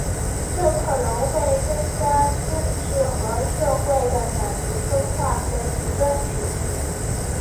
这可能会增加政治和社会的两极分化和极端主义。